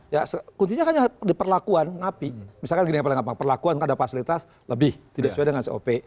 ya kuncinya kan diperlakuan ngapi misalkan gini yang paling gampang perlakuan kan ada fasilitas lebih tidak sesuai dengan cop